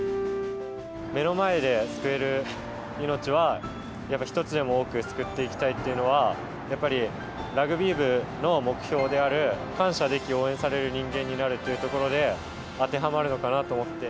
目の前で救える命は、やっぱ一つでも多く救っていきたいっていうのはやっぱりラグビー部の目標である、感謝でき応援される人間になるというところで、当てはまるのかなと思って。